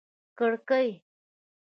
کړکۍ